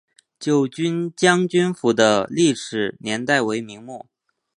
九军将军府的历史年代为明末。